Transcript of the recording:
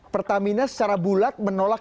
pertamina secara bulat menolak